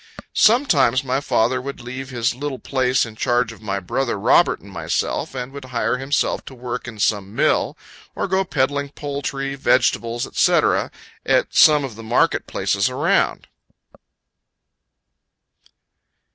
Sometimes my father would leave his little place in charge of my brother Robert and myself, and would hire himself to work in some mill, or go peddling poultry, vegetables, &c., at some of the market places around.